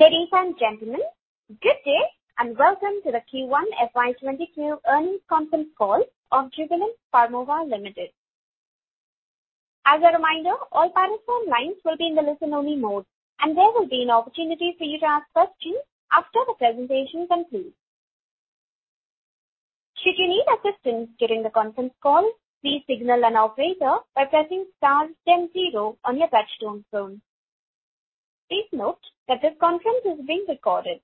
Ladies and gentlemen, good day, and welcome to the Q1 FY 2022 earnings conference call of Jubilant Pharmova Limited. As a reminder, all participant lines will be in the listen-only mode, and there will be an opportunity for you to ask questions after the presentation concludes. Should you need assistance during the conference call, please signal an operator by pressing star then zero on your touch-tone phone. Please note that this conference is being recorded.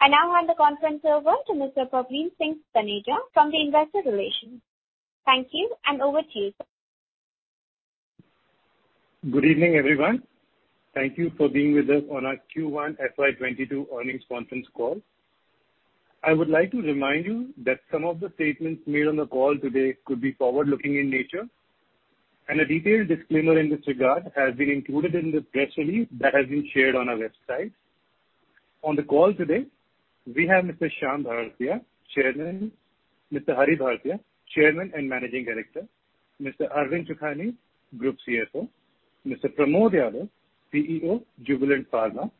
I now hand the conference over to Mr. Pavleen Singh Taneja, Manager, Investor Relations. Thank you, and over to you. Good evening, everyone. Thank you for being with us on our Q1 FY22 earnings conference call. I would like to remind you that some of the statements made on the call today could be forward-looking in nature. A detailed disclaimer in this regard has been included in the press release that has been shared on our website. On the call today, we have Mr. Shyam S. Bhartia, Chairman, Mr. Hari S. Bhartia, Co-Chairman and Managing Director, Mr. Arvind Chokhany, Group CFO, Mr. Pramod Yadav, CEO, Jubilant Pharma,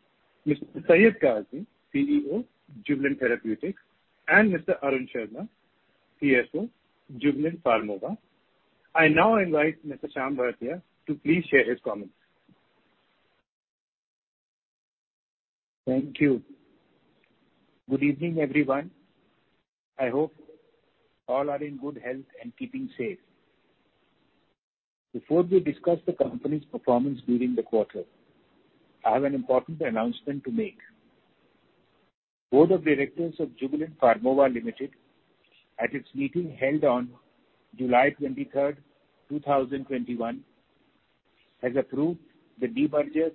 Mr. Syed Kazmi, CEO, Jubilant Therapeutics, and Mr. Arun Sharma, Chief Financial Officer, Jubilant Pharmova. I now invite Mr. Shyam S. Bhartia to please share his comments. Thank you. Good evening, everyone. I hope all are in good health and keeping safe. Before we discuss the company's performance during the quarter, I have an important announcement to make. Board of Directors of Jubilant Pharmova Limited at its meeting held on July 23rd, 2021, has approved the demerger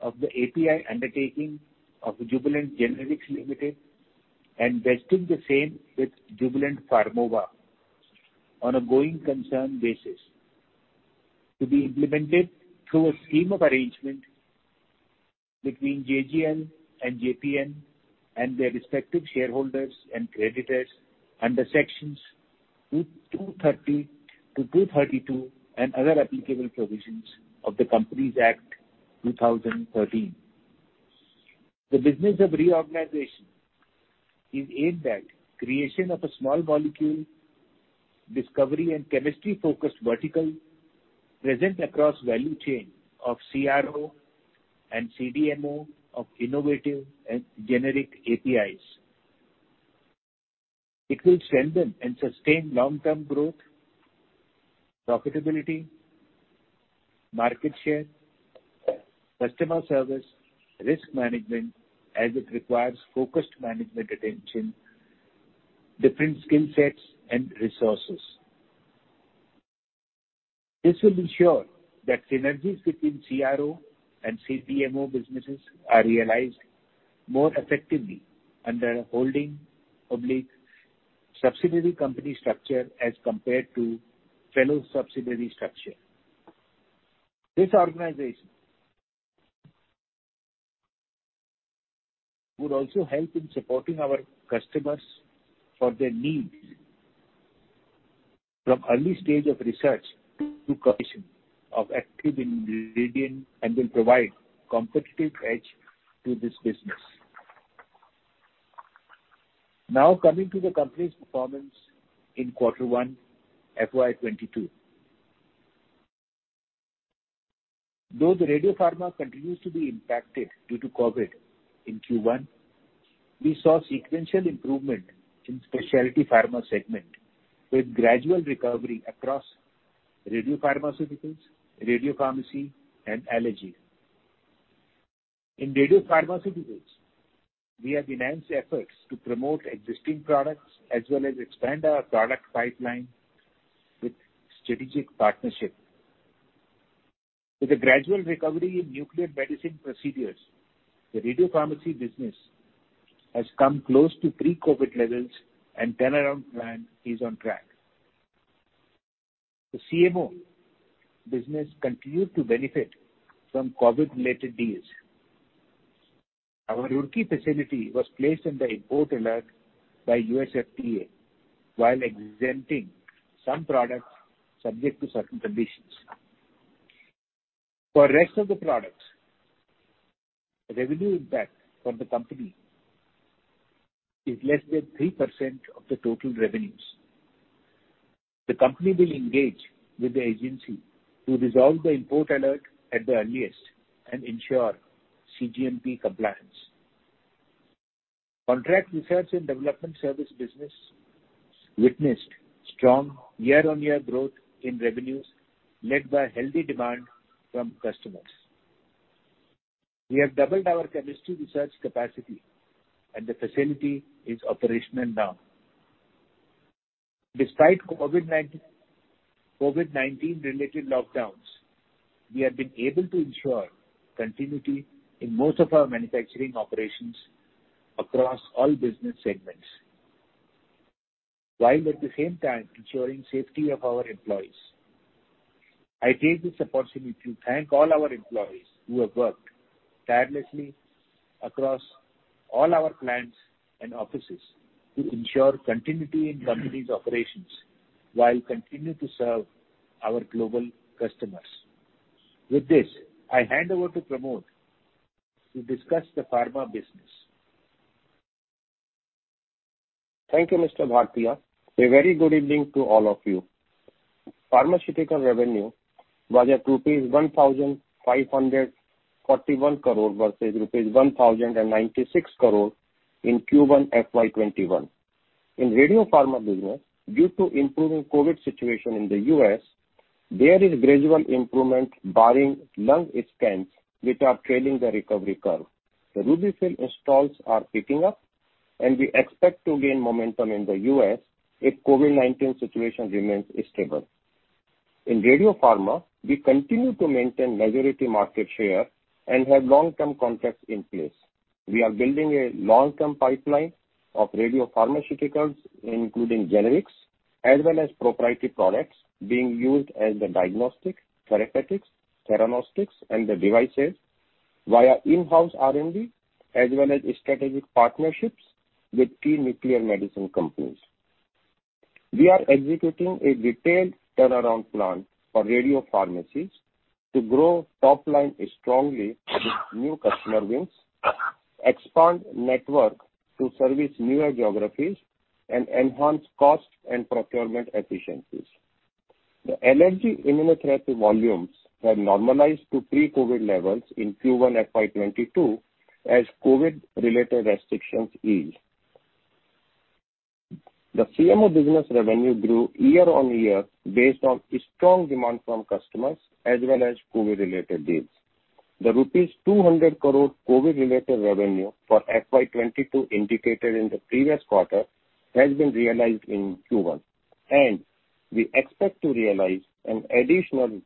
of the API undertaking of the Jubilant Generics Limited and vesting the same with Jubilant Pharmova on a going concern basis to be implemented through a scheme of arrangement between JGL and Jubilant Pharmova and their respective shareholders and creditors under Sections 230-232 and other applicable provisions of the Companies Act 2013. The business of reorganization is aimed at creation of a small molecule discovery and chemistry-focused vertical present across value chain of CRO and CDMO of innovative and generic APIs. It will strengthen and sustain long-term growth, profitability, market share, customer service, risk management, as it requires focused management attention, different skill sets, and resources. This will ensure that synergies between CRO and CDMO businesses are realized more effectively under a holding public subsidiary company structure as compared to fellow subsidiary structure. This organization would also help in supporting our customers for their needs from early stage of research to commission of active ingredient and will provide competitive edge to this business. Coming to the company's performance in Q1 FY 2022. Though the Radiopharma continues to be impacted due to COVID in Q1, we saw sequential improvement in specialty pharma segment with gradual recovery across radiopharmaceuticals, Radiopharmacy, and allergy. In radiopharmaceuticals, we have enhanced efforts to promote existing products as well as expand our product pipeline with strategic partnership. With a gradual recovery in nuclear medicine procedures, the Radiopharmacy business has come close to pre-COVID levels. Turnaround plan is on track. The CMO business continued to benefit from COVID-related deals. Our Roorkee facility was placed under import alert by U.S. FDA while exempting some products subject to certain conditions. For rest of the products, revenue impact for the company is less than 3% of the total revenues. The company will engage with the agency to resolve the import alert at the earliest and ensure CGMP compliance. Contract research and development service business witnessed strong year-on-year growth in revenues led by healthy demand from customers. We have doubled our chemistry research capacity. The facility is operational now. Despite COVID-19 related lockdowns, we have been able to ensure continuity in most of our manufacturing operations across all business segments, while at the same time ensuring safety of our employees. I take this opportunity to thank all our employees who have worked tirelessly across all our plants and offices to ensure continuity in company's operations while continue to serve our global customers. With this, I hand over to Pramod Yadav to discuss the pharma business. Thank you, Mr. Bhartia. A very good evening to all of you. Pharmaceutical revenue was at rupees 1,541 crore versus rupees 1,096 crore in Q1 FY 2021. In Radiopharma business, due to improving COVID-19 situation in the U.S., there is gradual improvement barring lung scans which are trailing the recovery curve. The RUBY-FILL installs are picking up, and we expect to gain momentum in the U.S. if COVID-19 situation remains stable. In Radiopharma, we continue to maintain majority market share and have long-term contracts in place. We are building a long-term pipeline of radiopharmaceuticals, including generics as well as proprietary products being used as the diagnostic therapeutics, theranostics and the devices via in-house R&D as well as strategic partnerships with key nuclear medicine companies. We are executing a detailed turnaround plan for Radiopharmacies to grow top line strongly with new customer wins, expand network to service newer geographies, and enhance cost and procurement efficiencies. The allergy immunotherapy volumes have normalized to pre-COVID levels in Q1 FY 2022 as COVID-related restrictions ease. The CMO business revenue grew year-over-year based on strong demand from customers as well as COVID-related deals. The rupees 200 crore COVID-related revenue for FY 2022 indicated in the previous quarter has been realized in Q1, and we expect to realize an additional,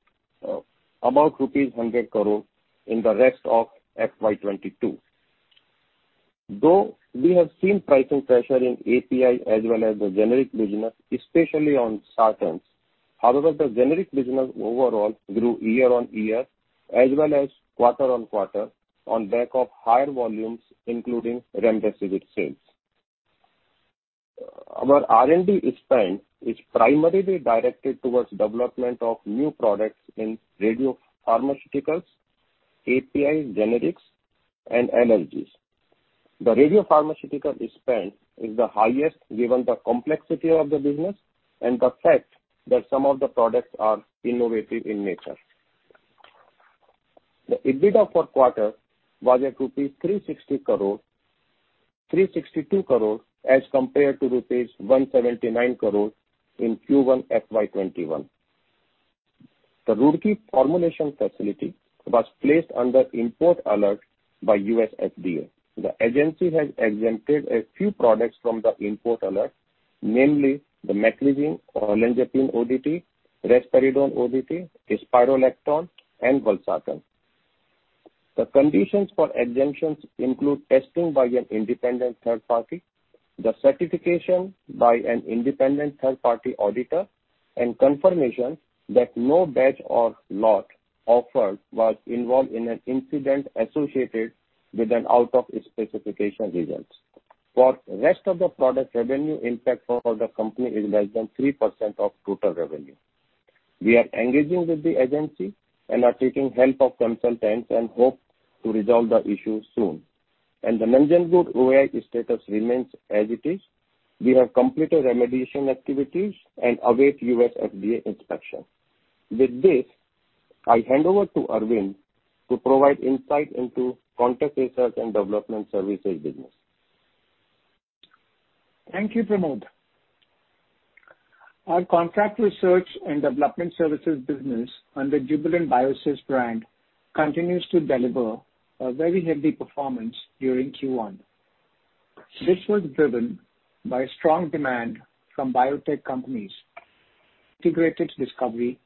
about rupees 100 crore in the rest of FY 2022. We have seen pricing pressure in API as well as the generic business, especially on sartans, however, the generic business overall grew year-over-year as well as quarter-on-quarter on back of higher volumes including remdesivir sales. Our R&D spend is primarily directed towards development of new products in radiopharmaceuticals, APIs, generics and allergies. The radiopharmaceutical spend is the highest, given the complexity of the business and the fact that some of the products are innovative in nature. The EBITDA for quarter was at rupees 360 crore, 362 crore as compared to rupees 179 crore in Q1 FY 2021. The Roorkee formulation facility was placed under import alert by U.S. FDA. The agency has exempted a few products from the import alert, namely the meclizine, olanzapine ODT, risperidone ODT, spironolactone and valsartan. The conditions for exemptions include testing by an independent third party, the certification by an independent third-party auditor, and confirmation that no batch or lot offered was involved in an incident associated with an out-of-specification results. For rest of the product revenue impact for the company is less than 3% of total revenue. We are engaging with the agency and are taking help of consultants and hope to resolve the issue soon. The Nanjangud OAI status remains as it is. We have completed remediation activities and await U.S. FDA inspection. With this, I hand over to Arvind to provide insight into contract research and development services business. Thank you, Pramod. Our contract research and development services business under Jubilant Biosys brand continues to deliver a very healthy performance during Q1. This was driven by strong demand from biotech companies, integrated discovery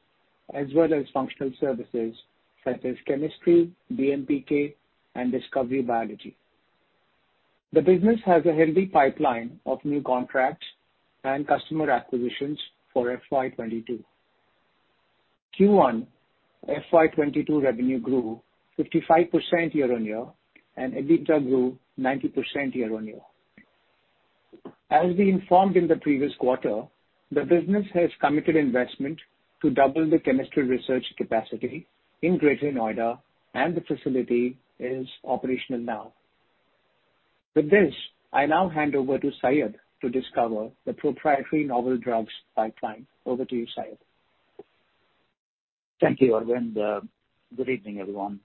as well as functional services such as chemistry, DMPK, and discovery biology. The business has a healthy pipeline of new contracts and customer acquisitions for FY 2022. Q1 FY 2022 revenue grew 55% year-on-year, and EBITDA grew 90% year-on-year. As we informed in the previous quarter, the business has committed investment to double the chemistry research capacity in Greater Noida and the facility is operational now. With this, I now hand over to Syed to discover the proprietary novel drugs pipeline. Over to you, Syed. Thank you, Arvind. Good evening, everyone.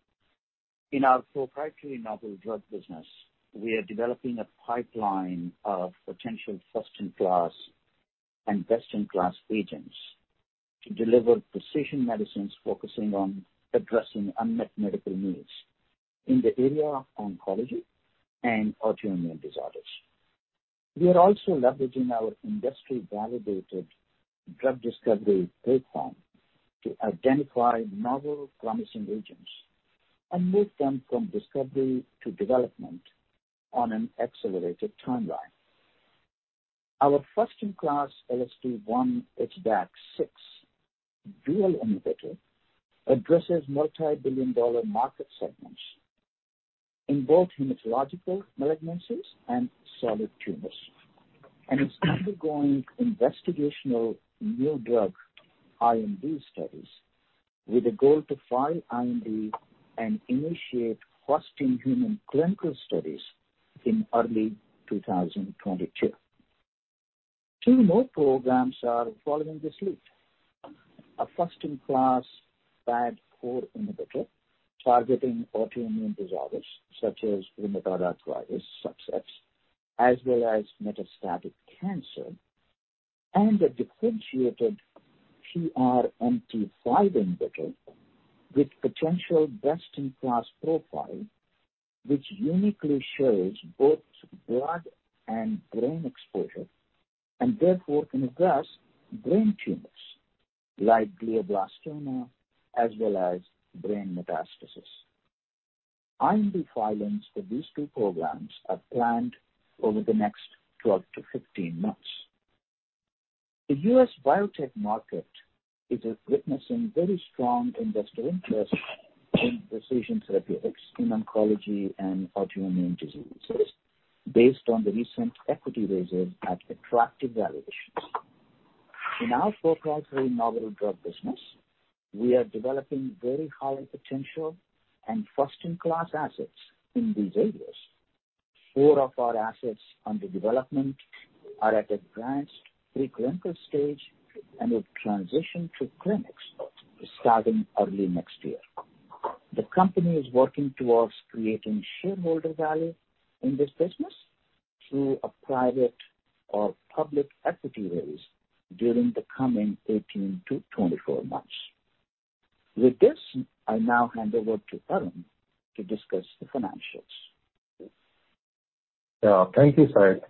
In our proprietary novel drug business, we are developing a pipeline of potential first-in-class and best-in-class agents to deliver precision medicines focusing on addressing unmet medical needs in the area of oncology and autoimmune disorders. We are also leveraging our industry-validated drug discovery platform to identify novel promising agents and move them from discovery to development on an accelerated timeline. Our first-in-class LSD1/HDAC6 dual inhibitor addresses multi-billion dollar market segments in both hematological malignancies and solid tumors, and is undergoing investigational new drug, IND, studies with a goal to file IND and initiate first-in-human clinical studies in early 2022. Two more programs are following this lead. A first-in-class PAD4 inhibitor targeting autoimmune disorders such as rheumatoid arthritis, sepsis, as well as metastatic cancer, and a differentiated PRMT5 inhibitor with potential best-in-class profile, which uniquely shows both blood and brain exposure, and therefore can address brain tumors like glioblastoma as well as brain metastasis. IND filings for these two programs are planned over the next 12-15 months. The U.S. biotech market is witnessing very strong investor interest in precision therapeutics in oncology and autoimmune diseases based on the recent equity raises at attractive valuations. In our proprietary novel drug business, we are developing very high potential and first-in-class assets in these areas. Four of our assets under development are at advanced pre-clinical stage and will transition to clinics starting early next year. The company is working towards creating shareholder value in this business through a private or public equity raise during the coming 18-24 months. With this, I now hand over to Arun Sharma to discuss the financials. Thank you, Syed.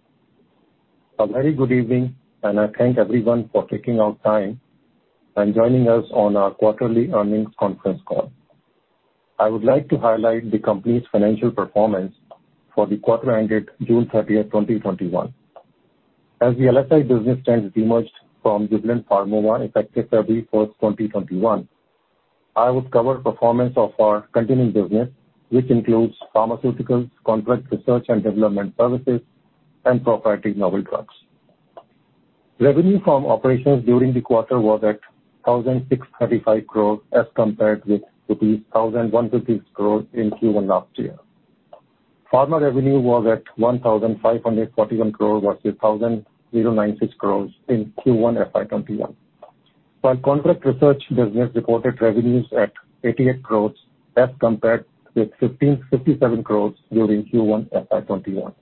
A very good evening. I thank everyone for taking out time and joining us on our quarterly earnings conference call. I would like to highlight the company's financial performance for the quarter ended June 30th, 2021. As the LSI business stands demerged from Jubilant Pharmova effective February 1st, 2021, I would cover performance of our continuing business, which includes pharmaceuticals, contract research and development services, and proprietary novel drugs. Revenue from operations during the quarter was at 1,635 crores as compared with rupees 1,156 crores in Q1 last year. Pharma revenue was at 1,541 crores versus 1,096 crores in Q1 FY 2021. Contract research business reported revenues at 88 crores as compared with 57 crores during Q1 FY 2021.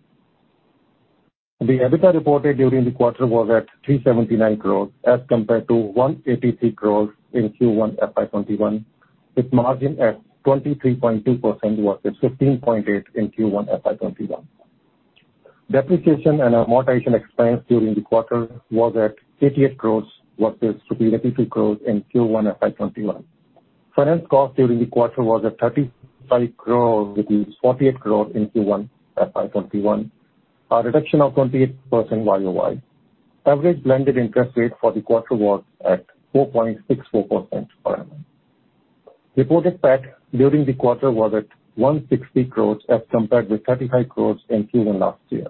The EBITDA reported during the quarter was at 379 crores as compared to 183 crores in Q1 FY 2021, with margin at 23.2% versus 15.8% in Q1 FY 2021. Depreciation and amortization expense during the quarter was at 88 crores versus 82 crores in Q1 FY21. Finance cost during the quarter was at 35 crores with 48 crores in Q1 FY21, a reduction of 28% YoY. Average blended interest rate for the quarter was at 4.64%. Reported PAT during the quarter was at 160 crores as compared with 35 crores in Q1 last year.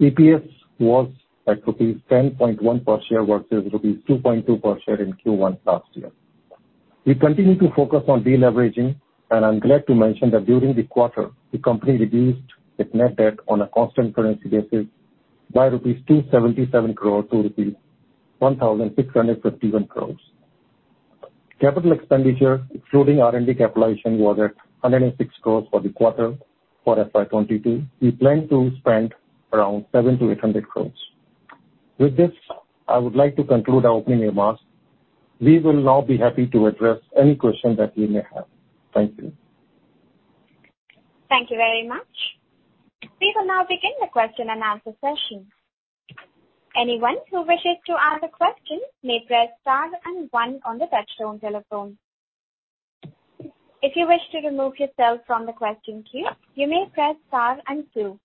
EPS was at rupees 10.1 per share versus rupees 2.2 per share in Q1 last year. We continue to focus on deleveraging, and I'm glad to mention that during the quarter, the company reduced its net debt on a constant currency basis by rupees 277 crores to rupees 1,651 crores. Capital expenditure, excluding R&D capitalization, was at 106 crores for the quarter. For FY22, we plan to spend around 700-800 crores. With this, I would like to conclude our opening remarks. We will now be happy to address any questions that you may have. Thank you. Thank you very much. We will now begin the question-and-answer session. Anyone who wishes to ask a question may press star and one on the touchtone telephone. If you wish to remove yourself from the question queue, you may press star and two.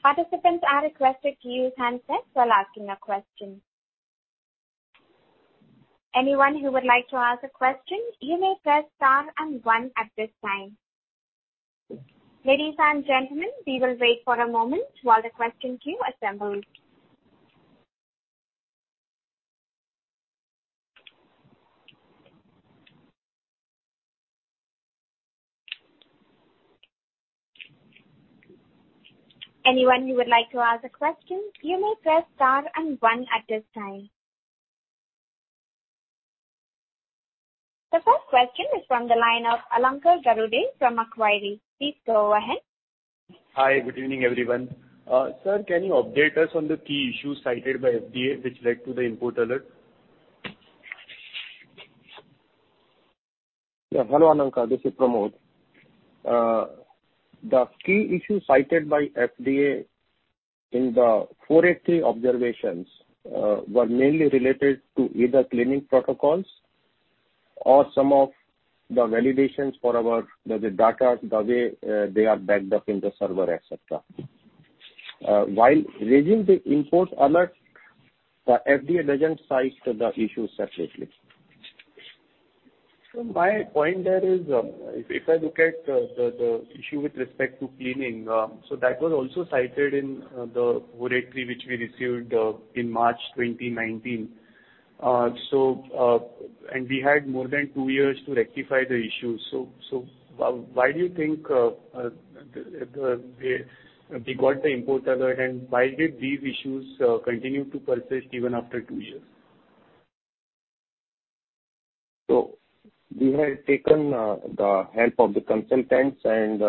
Participants are requested to use handsets while asking a question. Anyone who would like to ask a question, you may press star and one at this time. Ladies and gentlemen, we will wait for a moment while the question queue assembles. Anyone who would like to ask a question, you may press star and one at this time. The first question is from the line of Alankar Garude from Macquarie. Please go ahead. Hi. Good evening, everyone. Sir, can you update us on the key issues cited by FDA which led to the import alert? Yeah. Hello, Alankar. This is Pramod. The key issue cited by FDA in the 483 observations were mainly related to either cleaning protocols Some of the validations for our data, the way they are backed up in the server, et cetera. While raising the import alert, the FDA doesn't cite the issues separately. My point there is, if I look at the issue with respect to cleaning, so that was also cited in the advisory which we received in March 2019. We had more than two years to rectify the issue. Why do you think we got the import alert, and why did these issues continue to persist even after two years? We had taken the help of the consultants, and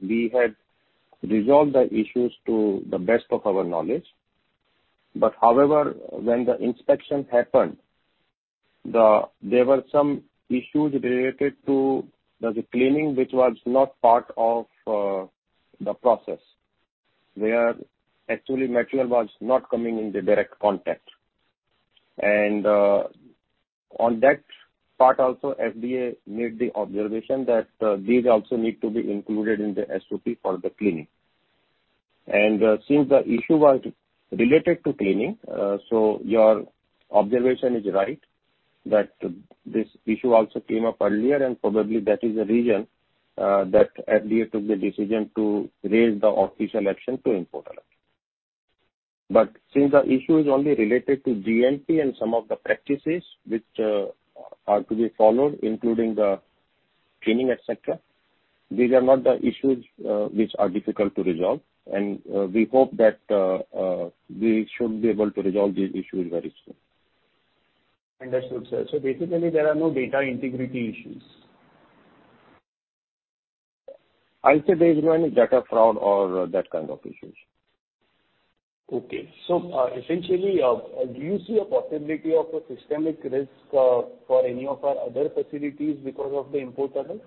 we had resolved the issues to the best of our knowledge. However, when the inspection happened, there were some issues related to the cleaning, which was not part of the process. Where actually material was not coming in the direct contact. On that part also, FDA made the observation that these also need to be included in the SOP for the cleaning. Since the issue was related to cleaning, so your observation is right. That this issue also came up earlier, and probably that is the reason that FDA took the decision to raise the official action to import alert. Since the issue is only related to GMP and some of the practices which are to be followed, including the cleaning, et cetera, these are not the issues which are difficult to resolve. We hope that we should be able to resolve these issues very soon. Understood, sir. Basically, there are no data integrity issues. I'll say there is no any data fraud or that kind of issues. Okay. Essentially, do you see a possibility of a systemic risk for any of our other facilities because of the import alert?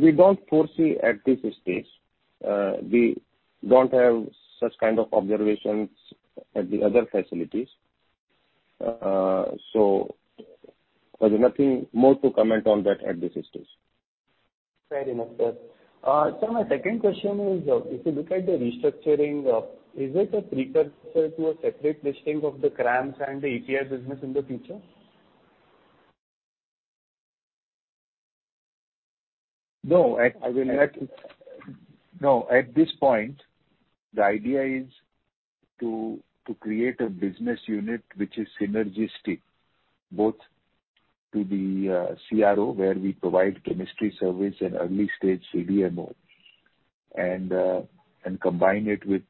We don't foresee at this stage. We don't have such kind of observations at the other facilities. There's nothing more to comment on that at this stage. Fair enough, sir. Sir, my second question is, if you look at the restructuring, is it a precursor to a separate listing of the CRAMS and the API business in the future? No. At this point, the idea is to create a business unit which is synergistic both to the CRO, where we provide chemistry service and early-stage CDMO, and combine it with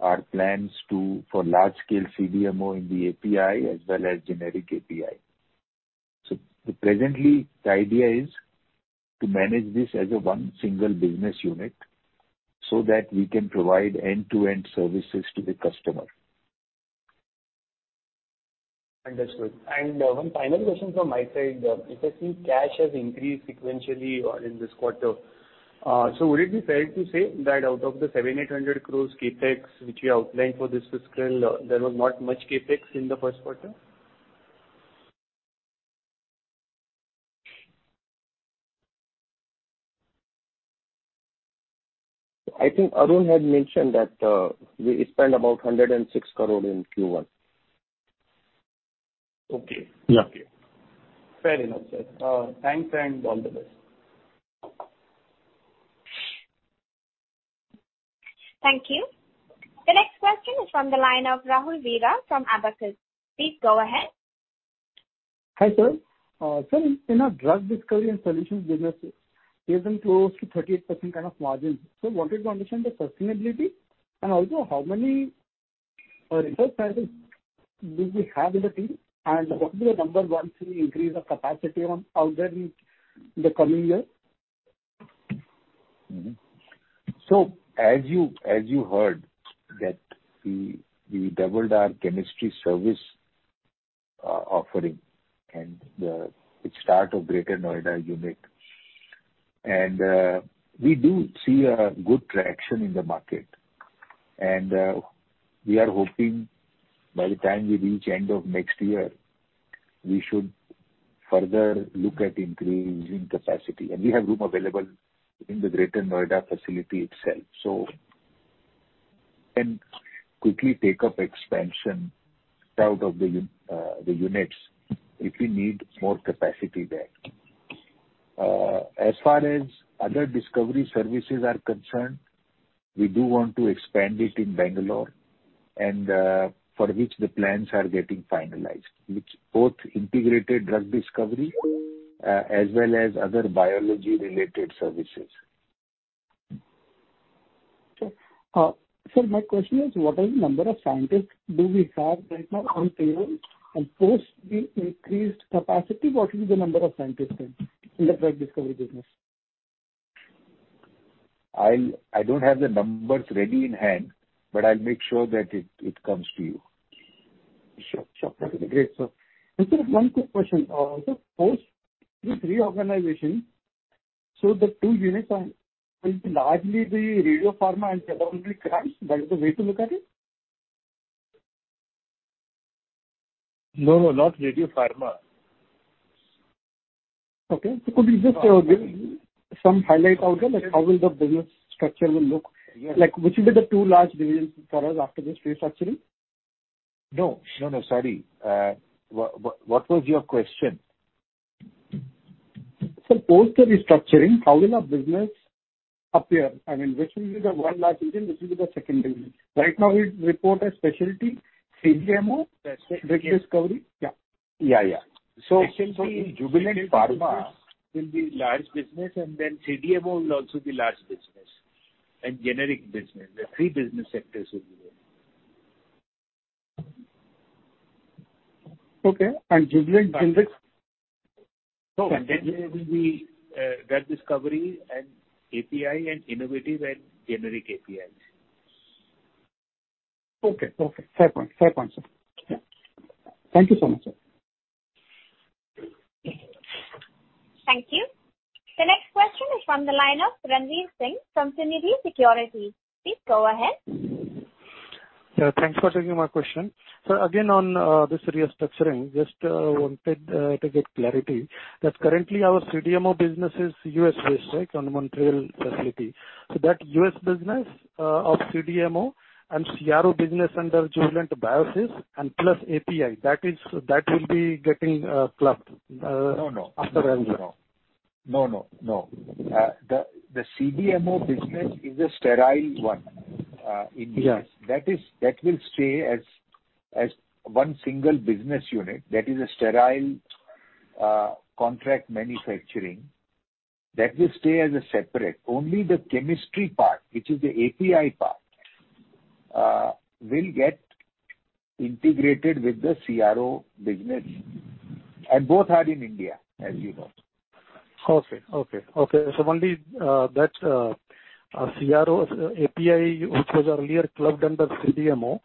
our plans for large-scale CDMO in the API as well as generic API. Presently, the idea is to manage this as a one single business unit so that we can provide end-to-end services to the customer. Understood. One final question from my side. Because I see cash has increased sequentially in this quarter. Would it be fair to say that out of the 708 crores CapEx which you outlined for this fiscal, there was not much CapEx in the Q1? I think Arun had mentioned that we spent about 106 crore in Q1. Okay. Yeah. Okay. Fair enough, sir. Thanks and all the best. Thank you. The next question is from the line of Rahul Veera from Abakkus. Please go ahead. Hi, sir. Sir, in our drug discovery and solutions business, we have been close to 38% kind of margins. We wanted to understand the sustainability. Also how many research scientists do we have in the team? What will be your number once we increase the capacity out there in the coming year? As you heard that we doubled our chemistry service offering and the start of Greater Noida 1 unit. We do see a good traction in the market. We are hoping by the time we reach end of next year, we should further look at increasing capacity. We have room available in the Greater Noida facility itself. Can quickly take up expansion out of the units if we need more capacity there. As far as other discovery services are concerned, we do want to expand it in Bangalore, and for which the plans are getting finalized. Which both integrated drug discovery as well as other biology-related services. Sure. Sir, my question is, what are the number of scientists do we have right now on payroll? Post the increased capacity, what will be the number of scientists then in the drug discovery business? I don't have the numbers ready in hand, but I'll make sure that it comes to you. Sure. That will be great, sir. Sir, one quick question. Sir, post this reorganization. The two units are going to largely be Radiopharma and Drug Discovery. That is the way to look at it? No, not Radiopharma. Okay. Could you just give some highlight out there, like how will the business structure will look? Yes. Like which will be the two large divisions for us after this restructuring? No. Sorry. What was your question? Sir, post the restructuring, how will our business appear? I mean, which will be the one large division, which will be the second division? Right now, we report as specialty CDMO. That's it. drug discovery. Yeah. Yeah. Essentially, Jubilant Pharmova will be large business, and then CDMO will also be large business, and generic business. The three business sectors will be there. Okay. Jubilant Life Sciences? No. There will be drug discovery and API and innovative and generic APIs. Okay. Fair point, sir. Yeah. Thank you so much, sir. Thank you. The next question is from the line of Ranveer Singh from Sunidhi Securities. Please go ahead. Yeah, thanks for taking my question. Again, on this restructuring, just wanted to get clarity that currently our CDMO business is U.S.-based, right, on Montreal facility. That U.S. business of CDMO and CRO business under Jubilant Biosys and plus API, that will be getting clubbed. No after. No. The CDMO business is a sterile one in U.S. Yes. That will stay as one single business unit, that is a sterile contract manufacturing, that will stay as a separate. Only the chemistry part, which is the API part, will get integrated with the CRO business. Both are in India, as you know. Okay. Only that CRO API which was earlier clubbed under CDMO,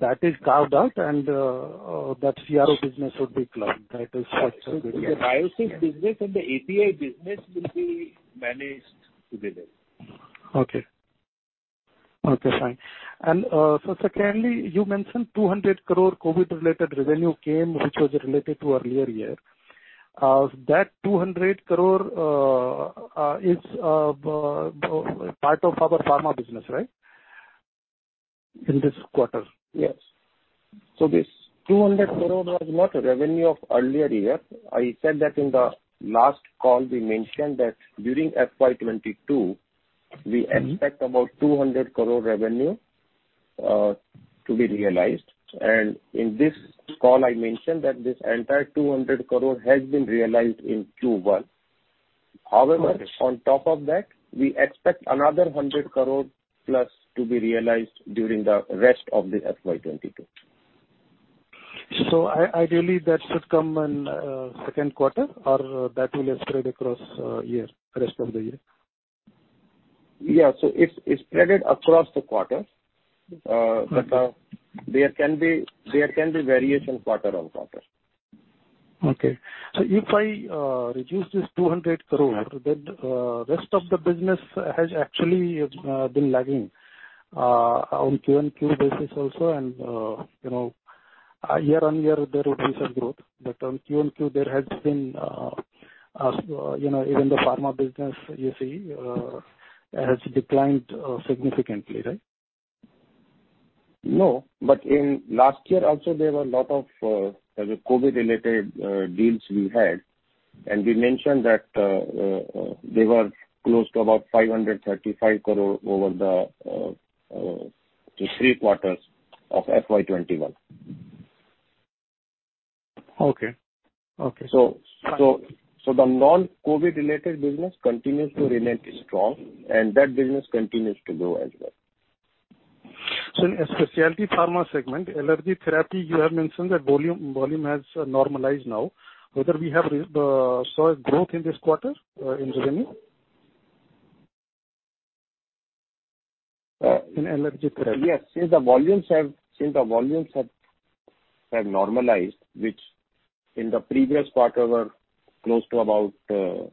that is carved out and that CRO business would be clubbed. That is structure. Yes. The Biosys business and the API business will be managed together. Okay. Fine. Secondly, you mentioned 200 crore COVID-related revenue came, which was related to earlier year. That 200 crore is part of our pharma business, right? In this quarter. Yes. This 200 crore was not revenue of earlier year. I said that in the last call, we mentioned that during FY 2022, we expect about 200 crore revenue to be realized. In this call, I mentioned that this entire 200 crore has been realized in Q1. However, on top of that, we expect another 100 crore plus to be realized during the rest of the FY 2022. Ideally, that should come in Q2 or that will spread across year, rest of the year? Yeah. It's spread across the quarters. Okay. There can be variation quarter-on-quarter. Okay. If I reduce this 200 crore, then rest of the business has actually been lagging on quarter-on-quarter basis also and year-on-year there would be some growth. On quarter-on-quarter there has been, even the pharma business you see has declined significantly, right. No, in last year also, there were lot of COVID-related deals we had, and we mentioned that they were close to about 535 crore over the three quarters of FY 2021. Okay. The non-COVID related business continues to remain strong, and that business continues to grow as well. In the specialty pharma segment, allergy therapy, you have mentioned the volume has normalized now. Whether we have saw a growth in this quarter in revenue in allergy therapy? Yes. Since the volumes have normalized, which in the previous quarter were close to about 95%.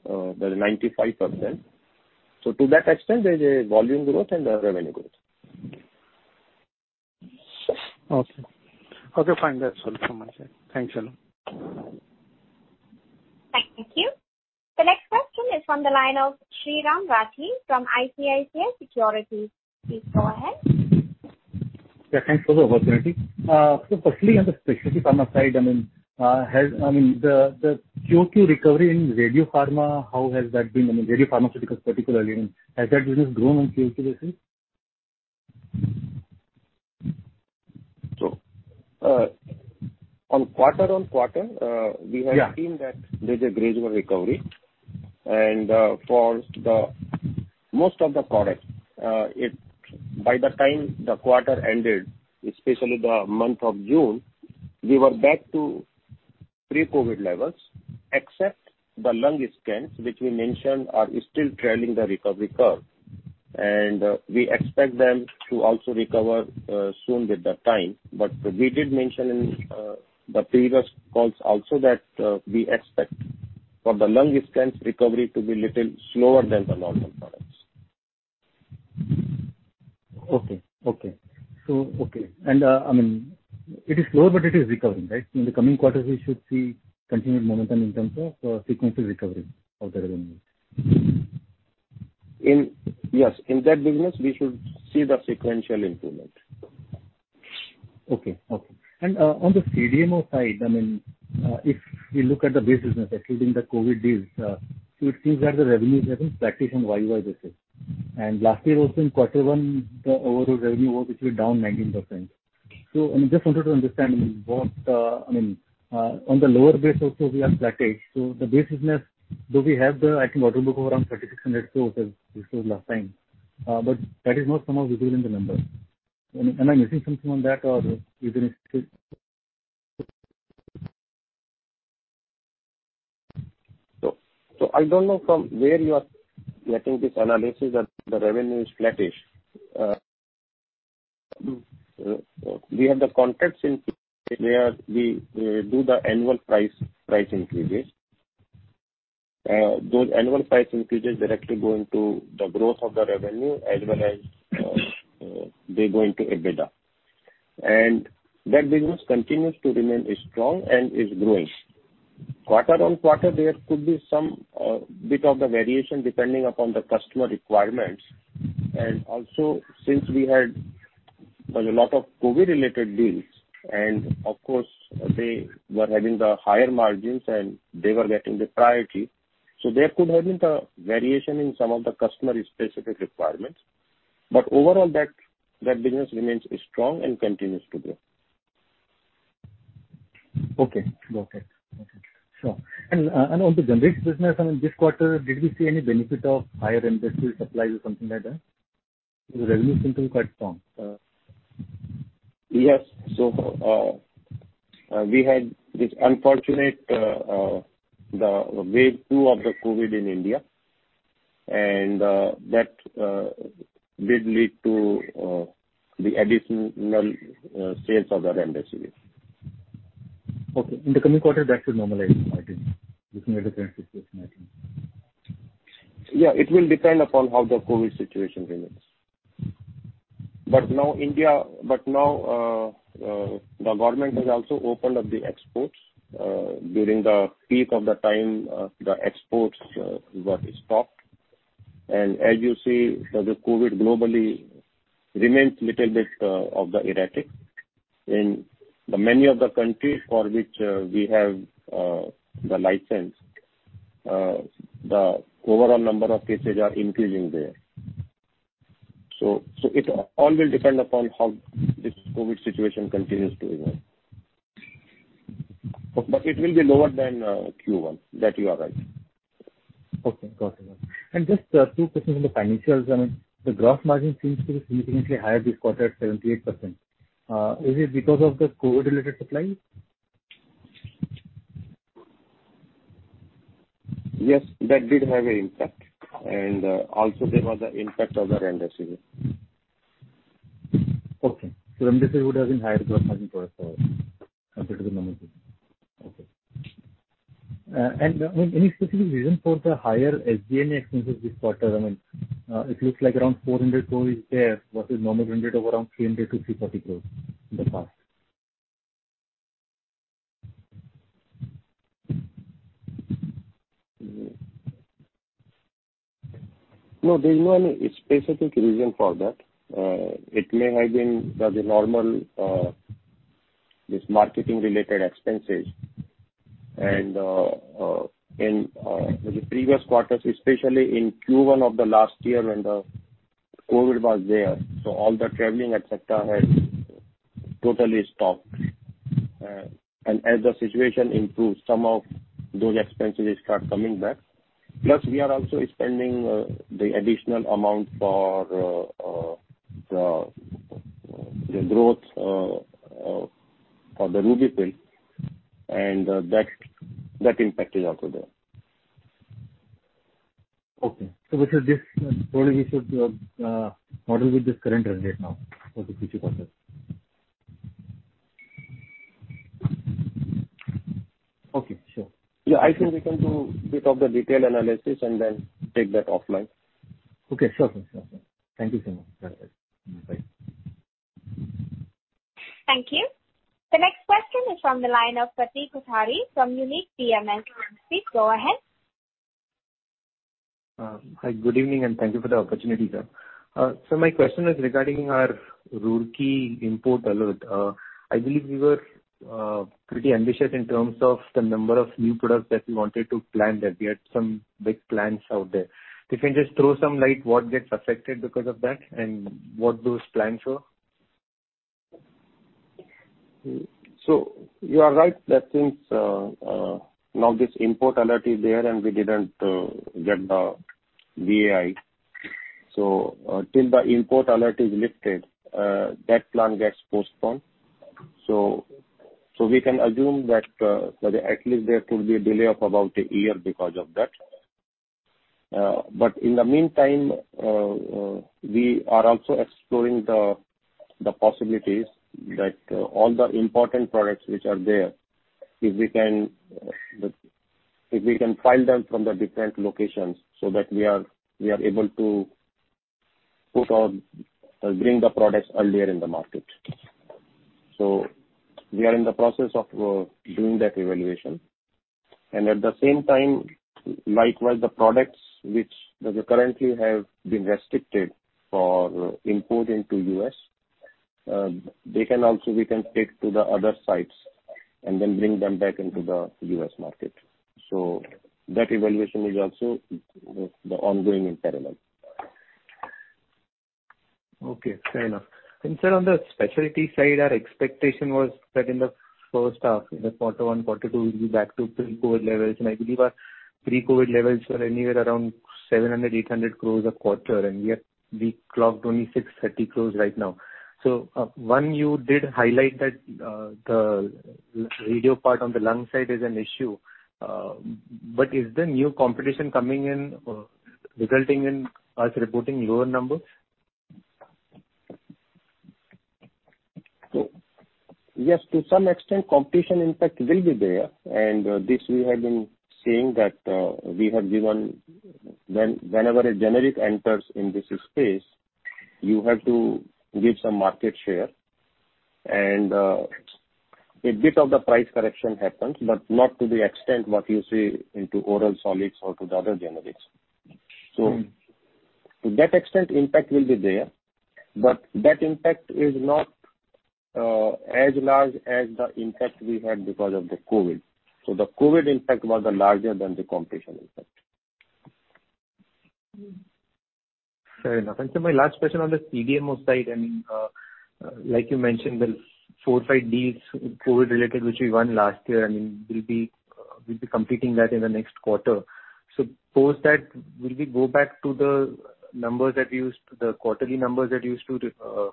To that extent, there is a volume growth and the revenue growth. Okay. Fine. That's all from my side. Thanks a lot. Thank you. The next question is from the line of Shriram Rathi from ICICI Securities. Please go ahead. Yeah, thanks for the opportunity. Firstly, on the specialty pharma side, the Q2 recovery in Radiopharma, how has that been? I mean, Radiopharmaceuticals particularly, has that business grown on Q2 basis? On quarter-on-quarter- Yeah we have seen that there's a gradual recovery. For most of the products, by the time the quarter ended, especially the month of June, we were back to pre-COVID levels, except the lung scans, which we mentioned are still trailing the recovery curve. And we expect them to also recover soon with the time. We did mention in the previous calls also that we expect for the long distance recovery to be little slower than the normal products. Okay. It is slow, but it is recovering, right? In the coming quarters, we should see continued momentum in terms of sequential recovery of the revenue. Yes. In that business, we should see the sequential improvement. Okay. On the CDMO side, if we look at the base business, actually, during the COVID days, it seems that the revenue is having flat-ish on YoY basis. Last year also in quarter one, the overall revenue was actually down 19%. I just wanted to understand, on the lower base also we are flat-ish, so the base business, do we have the, I think, order book around 3,600 crore as discussed last time, but that is not some of visible in the numbers. Am I missing something on that or is it still I don't know from where you are getting this analysis that the revenue is flat-ish. We have the contracts in place where we do the annual price increases. Those annual price increases directly go into the growth of the revenue as well as they go into EBITDA. That business continues to remain strong and is growing. Quarter-on-quarter, there could be some bit of the variation depending upon the customer requirements. Also, since we had a lot of COVID-related deals, and of course, they were having the higher margins and they were getting the priority, so there could have been the variation in some of the customer-specific requirements. Overall that business remains strong and continues to grow. Okay. Sure. On the generics business, in this quarter, did we see any benefit of higher remdesivir supplies or something like that? The revenue seems to be quite strong. Yes. We had this unfortunate wave two of the COVID in India, and that did lead to the additional sales of the remdesivir. Okay. In the coming quarter, that should normalize, I think, looking at the current situation, I think. Yeah, it will depend upon how the COVID situation remains. Now the government has also opened up the exports. During the peak of the time, the exports got stopped. As you see, the COVID globally remains little bit of the erratic. In the many of the countries for which we have the license, the overall number of cases are increasing there. It all will depend upon how this COVID situation continues to evolve. It will be lower than Q1. That you are right. Okay, got it. Just two questions on the financials. The gross margin seems to be significantly higher this quarter at 78%. Is it because of the COVID-related supply? Yes, that did have an impact. Also there was the impact of the remdesivir. Okay. remdesivir would have been higher gross margin product compared to the normal business. Okay. Any specific reason for the higher SG&A expenses this quarter? It looks like around 400 crore is there, versus normal range of around 300 crore-340 crore in the past. No, there's no specific reason for that. It may have been the normal marketing-related expenses. In the previous quarters, especially in Q1 of the last year when the COVID was there, all the traveling, et cetera, had totally stopped. As the situation improves, some of those expenses start coming back. Plus, we are also spending the additional amount for the growth of the RUBY-FILL, and that impact is also there. Okay. Probably we should model with this current run rate now for the future quarters. Okay, sure. Yeah, I think we can do bit of the detailed analysis and then take that offline. Okay, sure. Thank you so much. Bye. Thank you. The next question is from the line of Pratik Kothari from Unique Asset Management. Please go ahead. Hi, good evening, and thank you for the opportunity, sir. My question is regarding our Roorkee import alert. I believe we were pretty ambitious in terms of the number of new products that we wanted to plan there. We had some big plans out there. If you can just throw some light what gets affected because of that and what those plans were. You are right that since now this import alert is there, and we didn't get the. Till the import alert is lifted, that plan gets postponed. We can assume that at least there could be a delay of about one year because of that. In the meantime, we are also exploring the possibilities that all the important products which are there, if we can file them from the different locations so that we are able to bring the products earlier in the market. We are in the process of doing that evaluation. At the same time, likewise, the products which currently have been restricted for import into U.S., they can also be taken to the other sites and then brought back into the U.S. market. That evaluation is also ongoing in parallel. Okay, fair enough. Sir, on the specialty side, our expectation was that in the H1, in the Q1, Q2, we'll be back to pre-COVID levels, and I believe our pre-COVID levels were anywhere around 700 crore-800 crore a quarter, and we have clocked only 630 crore right now. One, you did highlight that the radio part on the lung side is an issue. Is there new competition coming in resulting in us reporting lower numbers? Yes, to some extent, competition impact will be there, and this we have been saying that whenever a generic enters in this space, you have to give some market share. A bit of the price correction happens, but not to the extent what you see into oral solids or to the other generics. To that extent, impact will be there. That impact is not as large as the impact we had because of the COVID. The COVID impact was larger than the competition impact. Fair enough. Sir, my last question on the CDMO side, like you mentioned, the four or five deals COVID-related, which we won last year, and we'll be completing that in the next quarter. Post that, will we go back to the numbers that we used, the quarterly numbers that we used to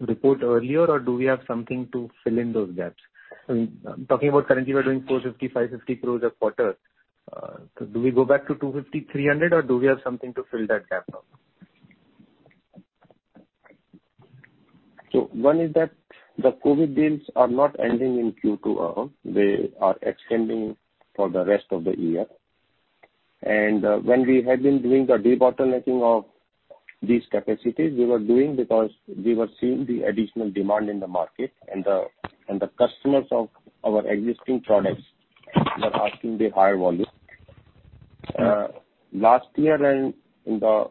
report earlier, or do we have something to fill in those gaps? I'm talking about currently we're doing 450-500 crores a quarter. Do we go back to 250-300 crores, or do we have something to fill that gap now? One is that the COVID deals are not ending in Q2. They are extending for the rest of the year. When we had been doing the debottlenecking of these capacities, we were doing because we were seeing the additional demand in the market and the customers of our existing products were asking the higher volume. Yeah. Last year and in the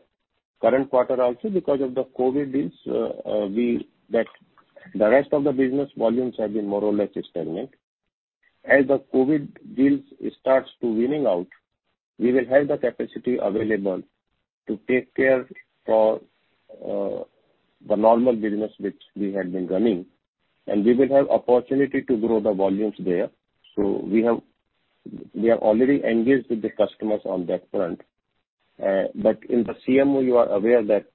current quarter also because of the COVID deals, the rest of the business volumes have been more or less stagnant. As the COVID deals start to wean out, we will have the capacity available to take care for the normal business, which we had been running, and we will have opportunity to grow the volumes there. We are already engaged with the customers on that front. In the CMO, you are aware that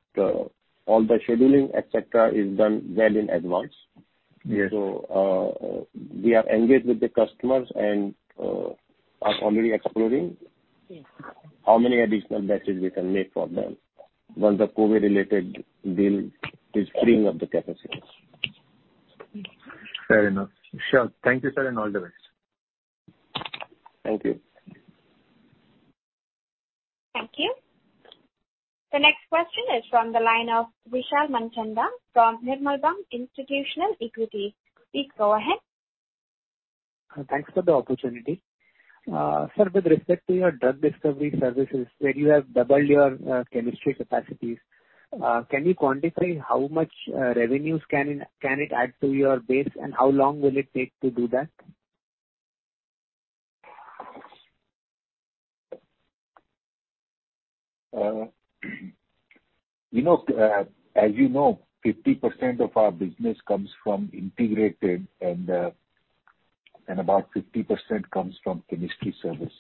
all the scheduling, et cetera, is done well in advance. Yes. We are engaged with the customers and are already exploring how many additional batches we can make for them once the COVID-related deal is freeing up the capacity. Fair enough. Sure. Thank you, sir, and all the best. Thank you. Thank you. The next question is from the line of Vishal Manchanda from Nirmal Bang Institutional Equities. Please go ahead. Thanks for the opportunity. Sir, with respect to your drug discovery services, where you have doubled your chemistry capacities, can you quantify how much revenues can it add to your base, and how long will it take to do that? As you know, 50% of our business comes from integrated and about 50% comes from chemistry service.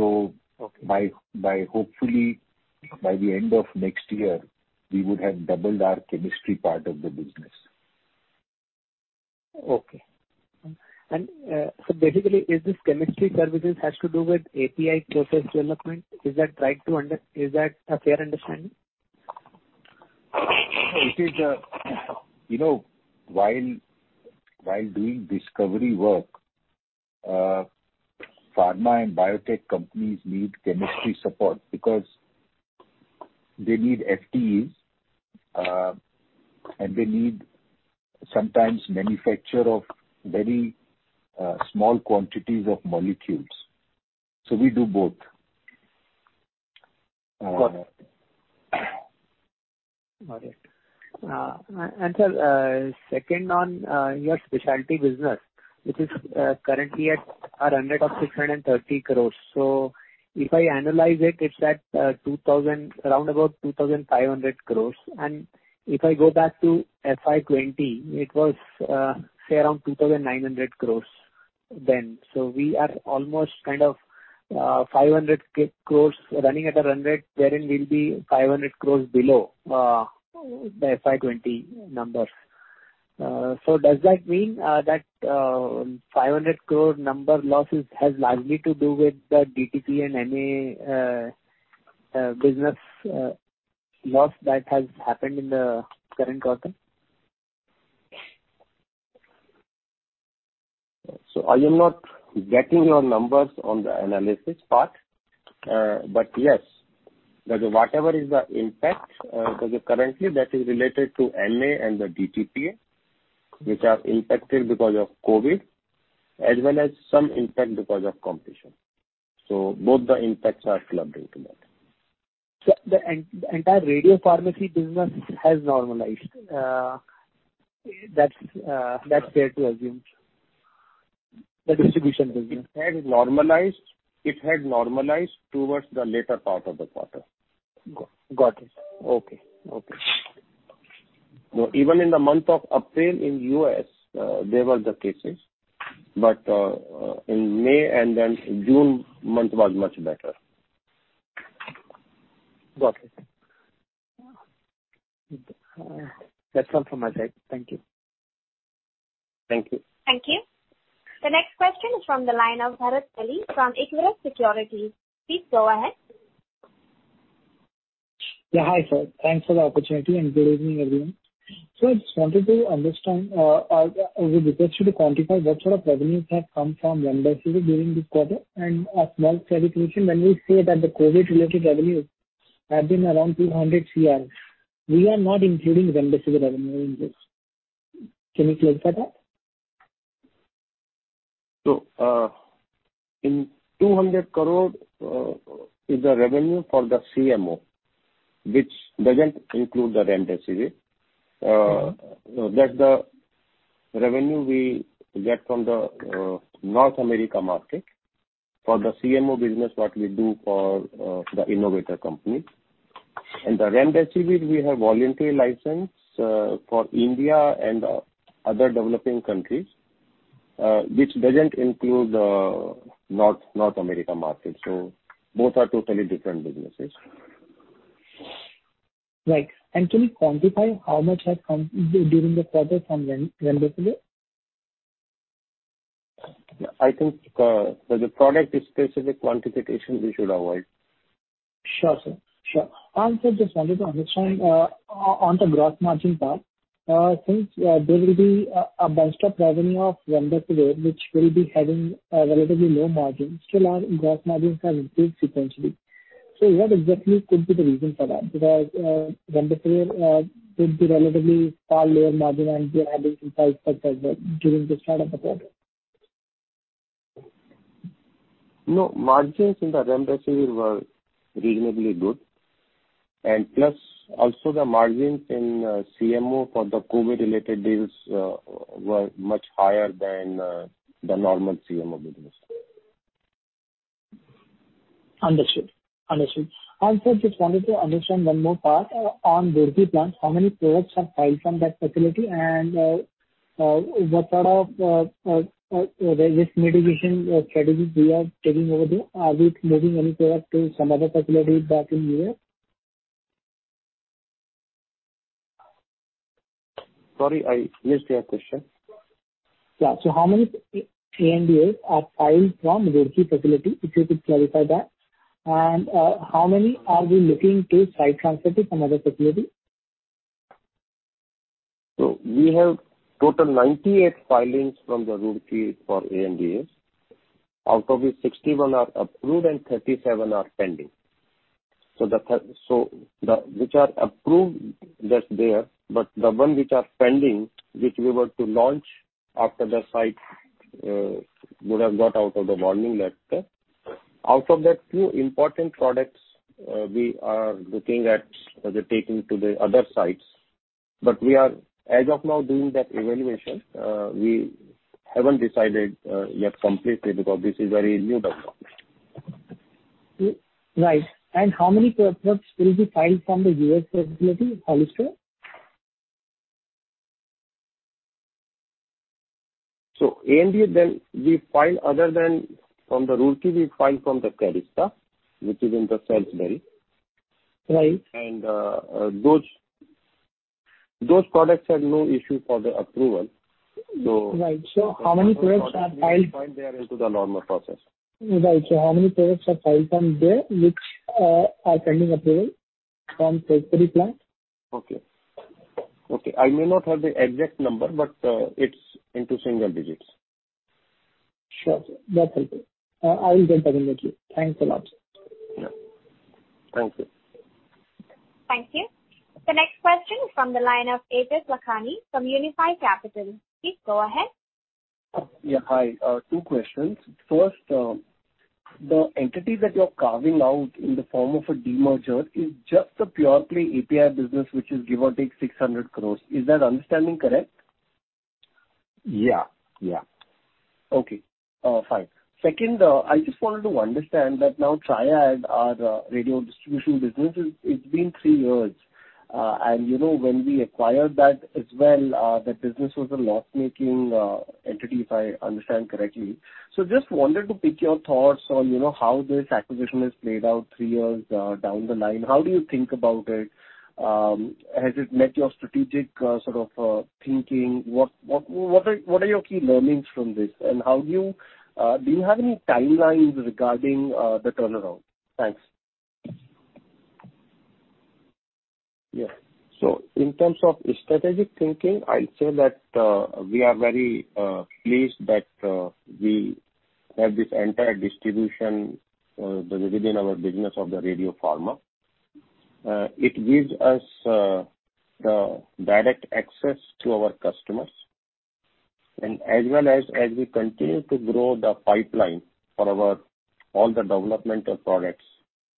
Okay. Hopefully by the end of next year, we would have doubled our chemistry part of the business. Okay. Sir, basically, is this chemistry services has to do with API process development? Is that a fair understanding? While doing discovery work, pharma and biotech companies need chemistry support because they need FTEs, and they need sometimes manufacture of very small quantities of molecules. We do both. Got it. Sir, second on your specialty business, which is currently at a run-rate of 630 crores. If I analyze it's at around about 2,500 crores. We are almost kind of 500 crores running at a run rate wherein we'll be 500 crores below the FY 2020 numbers. Does that mean that 500 crore number losses has largely to do with the DTPA and MAA business loss that has happened in the current quarter? I am not getting your numbers on the analysis part. Yes, whatever is the impact, because currently that is related to MAA and the DTPA, which are impacted because of COVID, as well as some impact because of competition. Both the impacts are clubbed into that. The entire Radiopharmacy business has normalized. That's fair to assume. The distribution business. It had normalized towards the latter part of the quarter. Got it. Okay. Even in the month of April in U.S., there were the cases, in May and then June month was much better. Got it. That's all from my side. Thank you. Thank you. Thank you. The next question is from the line of Bharat Sheth from Equirus Securities. Please go ahead. Yeah. Hi, sir. Thanks for the opportunity, and good evening, everyone. I just wanted to understand, I would request you to quantify what sort of revenues have come from remdesivir during this quarter. A small clarification, when we say that the COVID-related revenues have been around 200 crore, we are not including remdesivir revenue in this. Can you clarify that? In 200 crore is the revenue for the CMO, which doesn't include the remdesivir. That's the revenue we get from the North America market for the CMO business that we do for the innovator companies. The remdesivir we have voluntary license for India and other developing countries, which doesn't include the North America market. Both are totally different businesses. Right. Can you quantify how much has come during the quarter from remdesivir? I think the product-specific quantification we should avoid. Sure, sir. Sir, just wanted to understand on the gross margin part, since there will be a bunched-up revenue of remdesivir which will be having a relatively low margin, still our gross margins have improved sequentially. What exactly could be the reason for that? Because remdesivir could be relatively far lower margin and be adding 5% during this quarter. No, margins in the remdesivir were reasonably good. Plus also the margins in CMO for the COVID-related deals were much higher than the normal CMO business. Understood. Sir, just wanted to understand one more part on Roorkee facility. How many products have filed from that facility and what sort of risk mitigation strategies we are taking over there? Are we moving any product to some other facility back in U.S.? Sorry, I missed your question. Yeah. How many ANDA are filed from Roorkee facility, if you could clarify that. How many are we looking to site transfer to some other facility? We have total 98 filings from the Roorkee for ANDA. Out of which 61 are approved and 37 are pending. Which are approved, that's there, but the one which are pending, which we were to launch after the site would have got out of the warning letter. Out of that, few important products we are looking at taking to the other sites. We are, as of now, doing that evaluation. We haven't decided yet completely because this is very new development. Right. How many products will be filed from the U.S. facility in Hollister? ANDA, we file other than from the Roorkee, we file from the Cadista, which is in the Salisbury. Right. Those products had no issue for the approval. Right. How many products are filed? Those products we filed there into the normal process. Right. How many products are filed from there which are pending approval from Salisbury plant? I may not have the exact number, but it's into single-digits. Sure, sir. That's helpful. I will get back in with you. Thanks a lot, sir. Yeah. Thank you. Thank you. The next question is from the line of Ajay Wakhariya from Unifi Capital. Please go ahead. Yeah. Hi. Two questions. First, the entity that you're carving out in the form of a demerger is just a pure-play API business, which is give or take 600 crores. Is that understanding correct? Yeah. Okay. Fine. Second, I just wanted to understand that now Triad, our Radiopharmacy business, it's been three years. When we acquired that as well, the business was a loss-making entity, if I understand correctly. Just wanted to pick your thoughts on how this acquisition has played out three years down the line. How do you think about it? Has it met your strategic thinking? What are your key learnings from this, and do you have any timelines regarding the turnaround? Thanks. Yes. In terms of strategic thinking, I'll say that we are very pleased that we have this entire distribution within our business of the Radiopharma. It gives us the direct access to our customers. As well as we continue to grow the pipeline for all the developmental products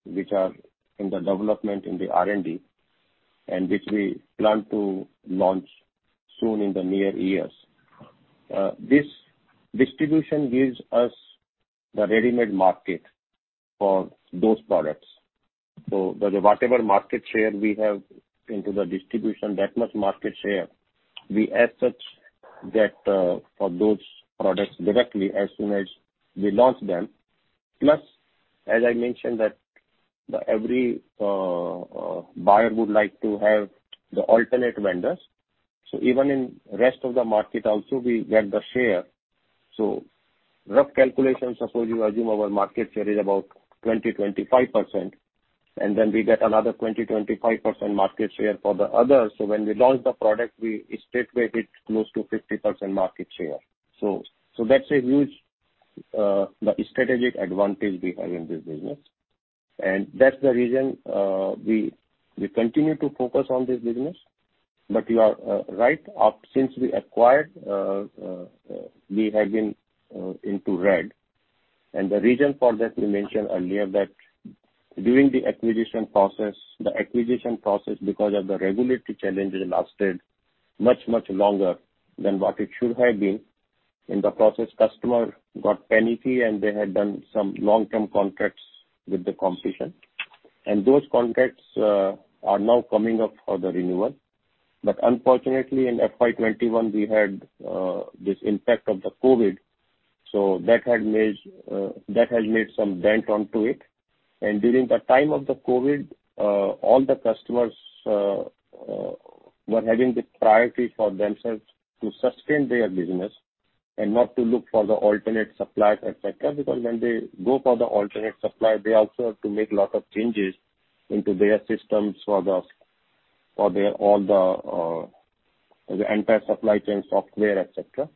which are in the development in the R&D, and which we plan to launch soon in the near years. This distribution gives us the readymade market for those products. Whatever market share we have into the distribution, that much market share, we as such get for those products directly as soon as we launch them. Plus, as I mentioned that every buyer would like to have the alternate vendors. Even in rest of the market also, we get the share. Rough calculations, suppose you assume our market share is about 20%-25%, and then we get another 20%-25% market share for the others. When we launch the product, we straightaway hit close to 50% market share. That's a huge strategic advantage we have in this business. That's the reason we continue to focus on this business. You are right. Since we acquired, we have been into red. The reason for that we mentioned earlier that during the acquisition process, because of the regulatory challenges, lasted much, much longer than what it should have been. In the process, customer got panicky, and they had done some long-term contracts with the competition. Those contracts are now coming up for the renewal. Unfortunately, in FY 2021, we had this impact of the COVID. That has made some dent onto it. During the time of the COVID, all the customers were having the priority for themselves to sustain their business and not to look for the alternate suppliers, et cetera. When they go for the alternate supplier, they also have to make lot of changes into their systems for their entire supply chain software, et cetera.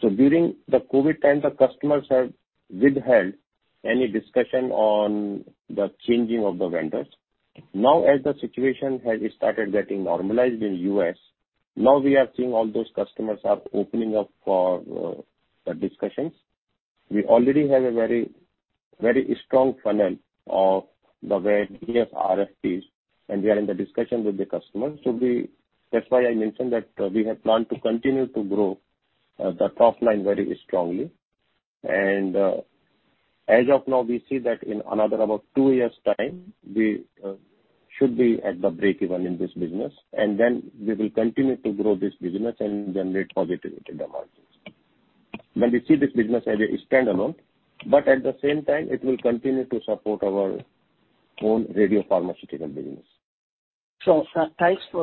During the COVID time, the customers have withheld any discussion on the changing of the vendors. As the situation has started getting normalized in U.S., we are seeing all those customers are opening up for the discussions. We already have a very strong funnel of the various RFP, and we are in the discussion with the customers. That's why I mentioned that we have planned to continue to grow the top line very strongly. As of now, we see that in another about two years' time, we should be at the breakeven in this business, and then we will continue to grow this business and generate positive EBITDA margins. When we see this business as a standalone, but at the same time, it will continue to support our own Radiopharmaceutical business.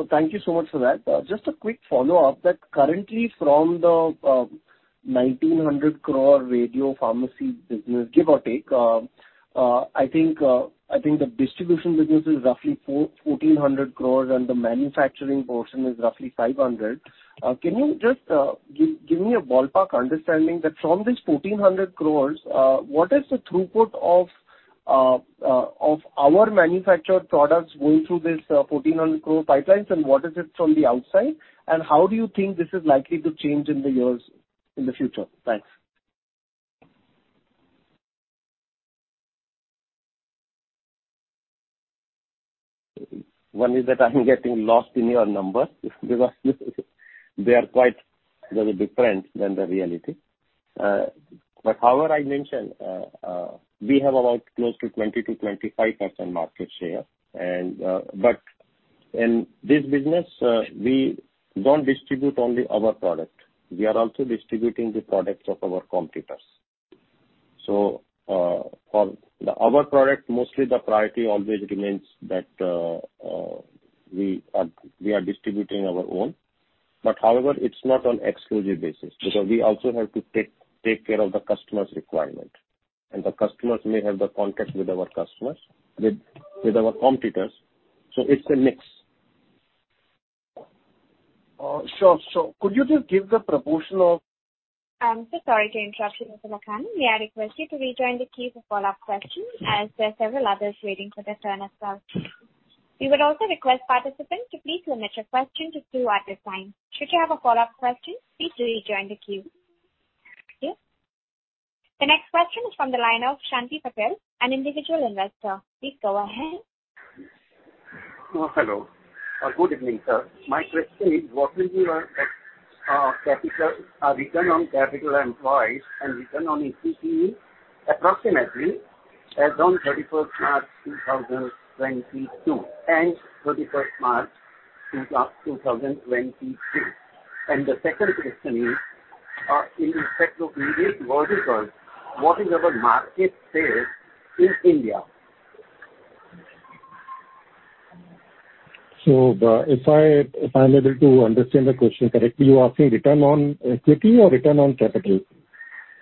Thank you so much for that. Just a quick follow-up. Currently from the 1,900 crore Radiopharmacy business, give or take, I think, the distribution business is roughly 1,400 crores and the manufacturing portion is roughly 500. Can you just give me a ballpark understanding that from this 1,400 crores, what is the throughput of our manufactured products going through this 1,400 crore pipelines, and what is it from the outside? How do you think this is likely to change in the future? Thanks. One is that I'm getting lost in your numbers because they are quite very different than the reality. However, I mentioned, we have about close to 20%-25% market share. In this business, we don't distribute only our product. We are also distributing the products of our competitors. For our product, mostly the priority always remains that we are distributing our own. However, it's not on exclusive basis. We also have to take care of the customer's requirement. The customers may have the contract with our competitors. It's a mix. Sure. could you just give the proportion of- I'm so sorry to interrupt you. May I request you to rejoin the queue for follow-up questions, as there are several others waiting for their turn as well. We would also request participants to please limit your question to two at this time. Should you have a follow-up question, please rejoin the queue. Thank you. The next question is from the line of Shanti Patel, an individual investor. Please go ahead. Hello. Good evening, sir. My question is, what will be your ex- capital, return on capital employed and return on PPE approximately as on March 31, 2022 and March 31, 2023. The second question is, in respect of various verticals, what is our market share in India? If I'm able to understand the question correctly, you're asking return on equity or return on capital?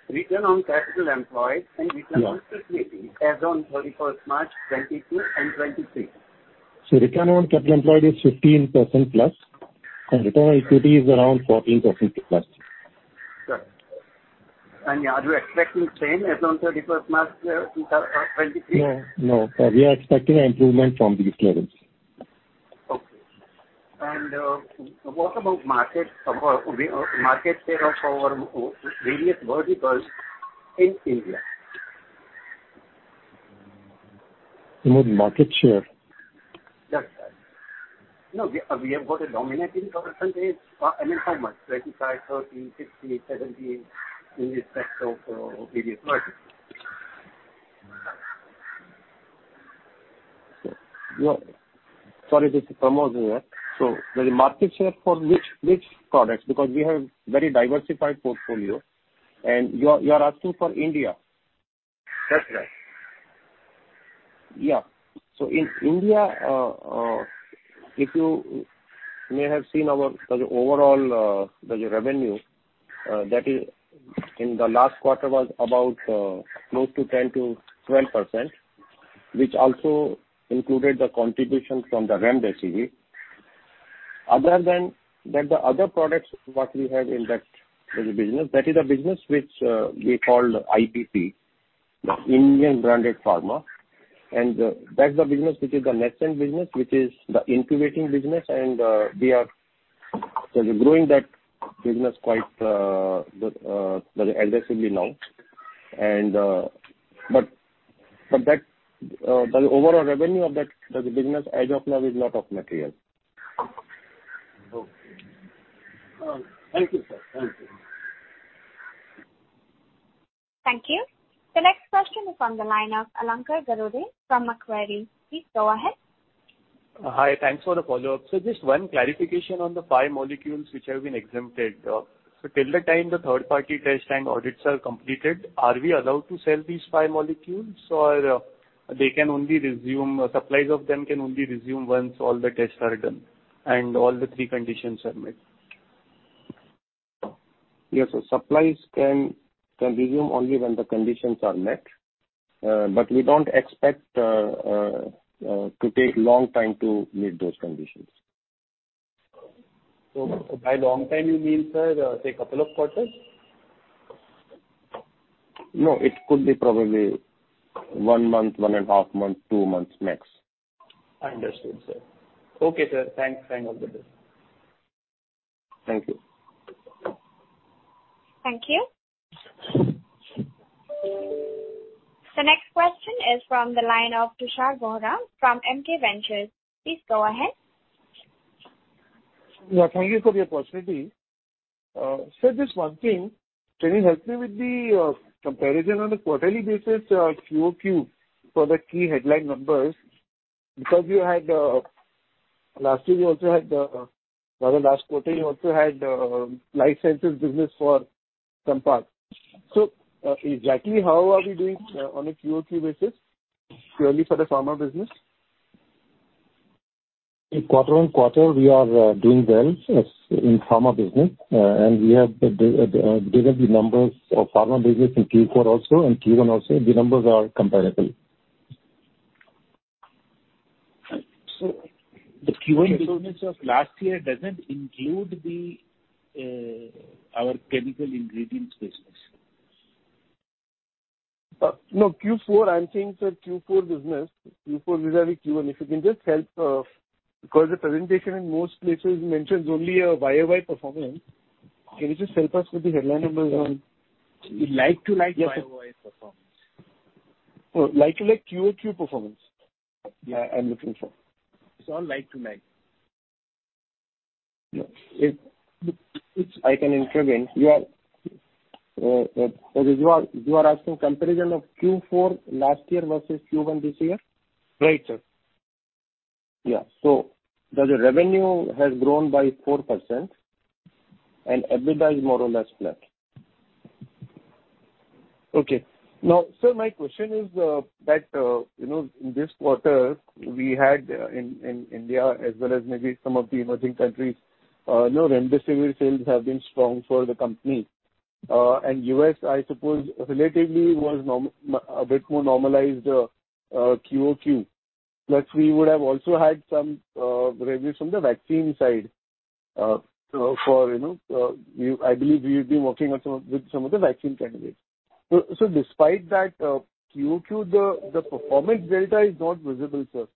Return on capital employed and return on equity as on March 31, 2022 and 2023. Return on capital employed is 15%+, and return on equity is around 14%+. Sure. Are you expecting the same as on March 31, 2023? No. We are expecting improvement from these levels. Okay. What about market share of our various verticals in India? You mean market share? That's right. We have got a dominating percentage. I mean, how much? 25%, 30%, 50%, 70% in respect of various products. Sorry, this is Pramod here. The market share for which products? Because we have very diversified portfolio, and you are asking for India. That's right. In India, if you may have seen our overall revenue, that in the last quarter was about close to 10%-12%, which also included the contribution from the remdesivir. Other than the other products, what we have in that business, that is a business which we call IBP, Indian branded pharma. That's the business which is the nascent business, which is the incubating business, and we are growing that business quite aggressively now. The overall revenue of that business as of now is not of material. Okay. Thank you, sir. Thank you. The next question is on the line of Alankar Garude from Macquarie. Please go ahead. Hi. Thanks for the follow-up. Just one clarification on the five molecules which have been exempted. Till the time the third-party test and audits are completed, are we allowed to sell these five molecules or supplies of them can only resume once all the tests are done and all the three conditions are met? Yes. Supplies can resume only when the conditions are met. We don't expect to take a long time to meet those conditions. By long time you mean, sir, say, a couple of quarters? No, it could be probably one month, one and a half months, two months max. Understood, sir. Okay, sir. Thanks. Hang up the call. Thank you. Thank you. The next question is from the line of Tushar Bohra from MK Ventures. Please go ahead. Yeah, thank you for the opportunity. Sir, just one thing. Can you help me with the comparison on a quarterly basis, QOQ, for the key headline numbers? Because last quarter you also had life sciences business for some part. Exactly how are we doing on a QOQ basis purely for the pharma business? Quarter-on-quarter, we are doing well in pharma business. We have given the numbers of pharma business in Q4 also, and Q1 also. The numbers are comparable. The Q1 business of last year doesn't include our chemical ingredients business. No, Q4. I'm saying, sir, Q4 business vis-à-vis Q1. If you can just help because the presentation in most places mentions only a YoY performance. Can you just help us with the headline numbers on. Like to like YOY performance. Like to like QOQ performance I'm looking for. It's all like to like. If I can intervene. You are asking comparison of Q4 last year versus Q1 this year? Right, sir. Yeah. The revenue has grown by 4% and EBITDA is more or less flat. Now, sir, my question is that, in this quarter, we had in India as well as maybe some of the emerging countries, remdesivir sales have been strong for the company. U.S., I suppose, relatively was a bit more normalized QOQ. Plus, we would have also had some revenues from the vaccine side. I believe you've been working with some of the vaccine candidates. Despite that, QOQ the performance delta is not visible, sir.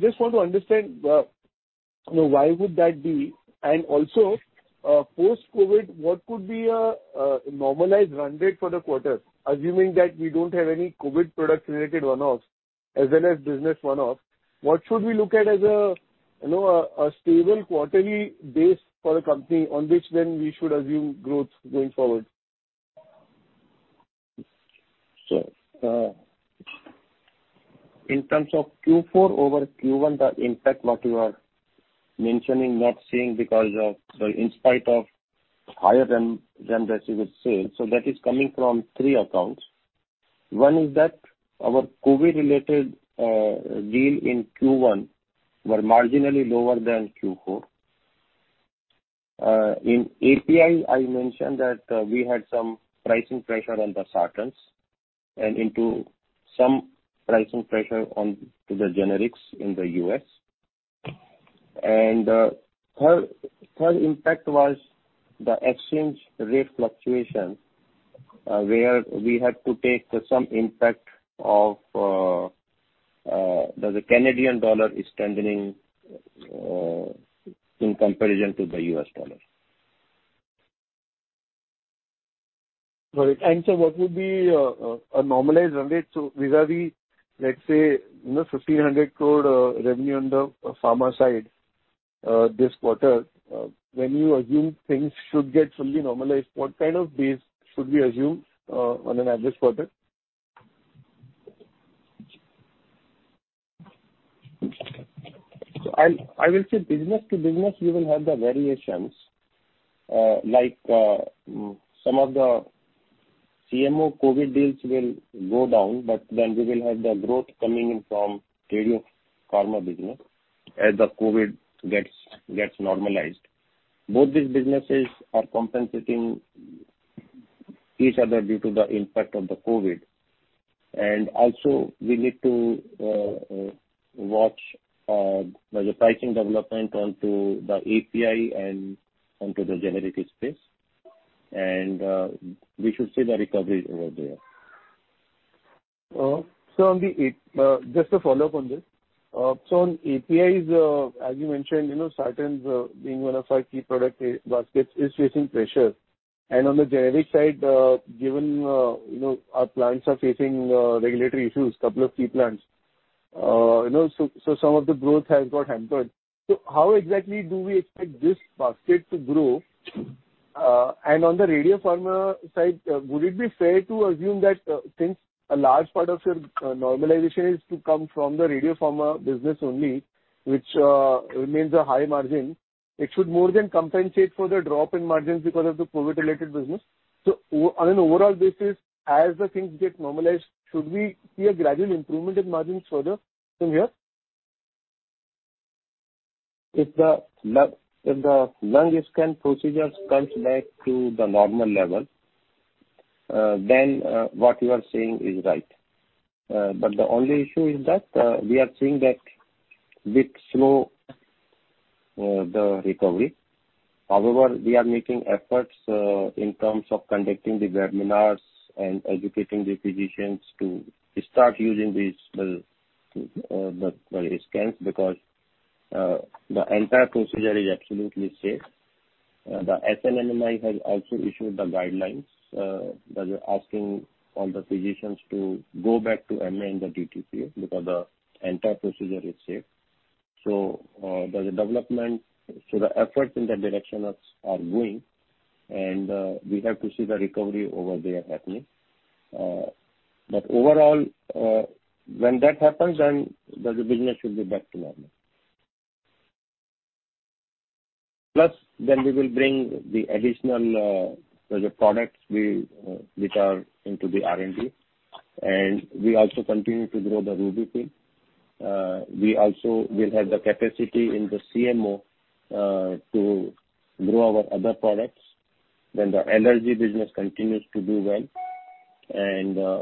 Just want to understand why would that be, and also post-COVID, what could be a normalized run rate for the quarter, assuming that we don't have any COVID product-related one-offs, as well as business one-off? What should we look at as a stable quarterly base for a company on which then we should assume growth going forward? In terms of Q4 over Q1, the impact that you are mentioning, not seeing, in spite of higher than that you would see. That is coming from three accounts. One is that our COVID-related deal in Q1 was marginally lower than Q4. In API, I mentioned that we had some pricing pressure on the sartans and some pricing pressure on the generics in the U.S. Third impact was the exchange rate fluctuation, where we had to take some impact of the Canadian dollar strengthening in comparison to the U.S. dollar. Got it. What would be a normalized run rate? Vis-à-vis, let's say, 1,500 crore revenue on the pharma side this quarter. When you assume things should get fully normalized, what kind of base should we assume on an average quarter? I will say business to business, you will have the variations. Like some of the CMO COVID deals will go down, we will have the growth coming in from Radiopharma business as the COVID gets normalized. Both these businesses are compensating each other due to the impact of the COVID. Also we need to watch the pricing development onto the API and onto the generic space. We should see the recovery over there. Just a follow-up on this. On APIs, as you mentioned, sartans being one of our key product baskets is facing pressure. On the generic side, given our plants are facing regulatory issues, couple of key plants. Some of the growth has got hampered. How exactly do we expect this basket to grow? On the Radiopharma side, would it be fair to assume that since a large part of your normalization is to come from the Radiopharma business only, which remains a high margin, it should more than compensate for the drop in margins because of the COVID-related business. On an overall basis, as the things get normalized, should we see a gradual improvement in margins further from here? If the lung scan procedures comes back to the normal level, then what you are saying is right. The only issue is that we are seeing that bit slow, the recovery. However, we are making efforts in terms of conducting the webinars and educating the physicians to start using these scans because the entire procedure is absolutely safe. The SNMMI has also issued the guidelines that are asking all the physicians to go back to admin the DTPA because the entire procedure is safe. The efforts in that direction are going, and we have to see the recovery over there happening. Overall, when that happens, then the business should be back to normal. Then we will bring the additional project which are into the R&D. We also continue to grow the Roorkee. We also will have the capacity in the CMO to grow our other products. The Allergy business continues to do well.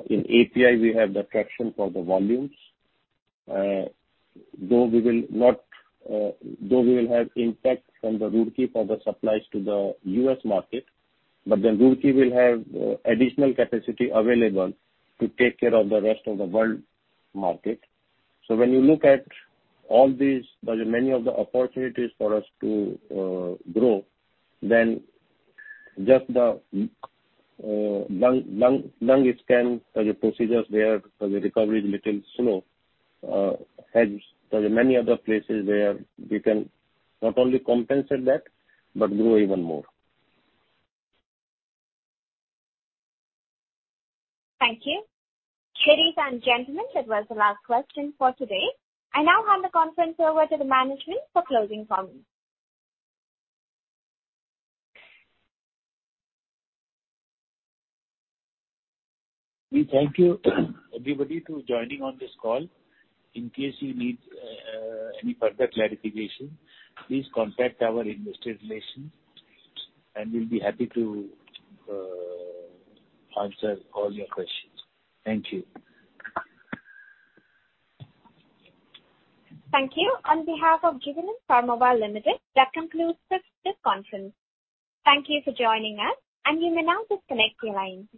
In API, we have the traction for the volumes. Though we will have impact from the Roorkee for the supplies to the U.S. market, but then Roorkee will have additional capacity available to take care of the rest of the world market. When you look at all these, there's many of the opportunities for us to grow, then just the lung scan procedures where the recovery is little slow, hence there are many other places where we can not only compensate that, but grow even more. Thank you. Ladies and gentlemen, that was the last question for today. I now hand the conference over to the management for closing comments. We thank you everybody to joining on this call. In case you need any further clarification, please contact our investor relations, and we'll be happy to answer all your questions. Thank you. Thank you. On behalf of Jubilant Pharmova Limited, that concludes this conference. Thank you for joining us, and you may now disconnect your lines.